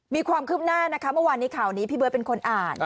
มีความคืบหน้านะคะเมื่อวานนี้ข่าวนี้พี่เบิร์ตเป็นคนอ่าน